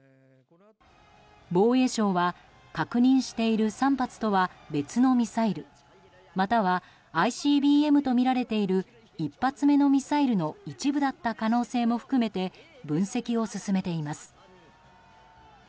防衛省は、確認している３発とは別のミサイルまたはＩＣＢＭとみられている１発目のミサイルの一部だった可能性も含めて分析を進めています。